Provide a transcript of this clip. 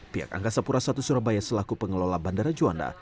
pihak angkasa pura i surabaya selaku pengelola bandara juanda